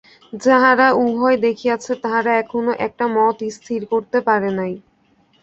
যাহারা উভয়ই দেখিয়াছে, তাহারা এখনো একটা মত স্থির করিতে পারে নাই।